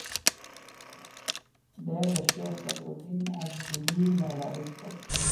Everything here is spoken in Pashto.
دی د شیخ صفي الدین اردبیلي له اولادې څخه و.